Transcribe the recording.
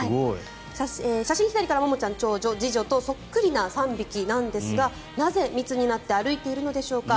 写真左からモモちゃん、長女次女とそっくりな３匹なんですがなぜ、密になって歩いているのでしょうか。